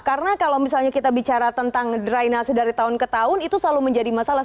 karena kalau misalnya kita bicara tentang drainase dari tahun ke tahun itu selalu menjadi masalah